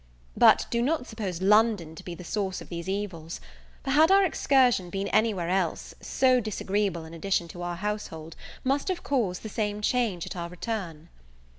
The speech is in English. But do not suppose London to be the source of these evils; for, had our excursion been any where else, so disagreeable an addition to our household must have caused the same change at our return.